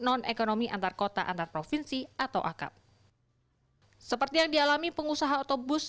non ekonomi antar kota antar provinsi atau akap seperti yang dialami pengusaha otobus